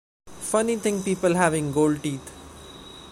Funny thing people having gold teeth.